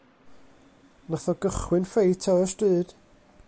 Nath o gychwyn ffeit ar y stryd.